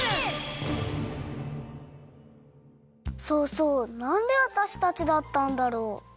そうそうなんでわたしたちだったんだろう？